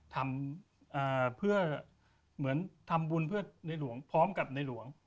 ทำเพื่อเหมือนทำบุญเพื่อในหลวงพร้อมกับในหลวง